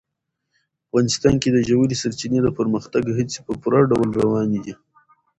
افغانستان کې د ژورې سرچینې د پرمختګ هڅې په پوره ډول روانې دي.